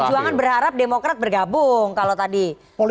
tidak ada yang mustahil